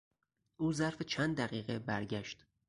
او ظرف چند دقیقه برگشت.